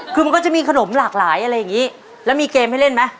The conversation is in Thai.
คือมันก็จะมีขนมหลากหลายอะไรอย่างนี้แล้วมีเกมให้เล่นไหม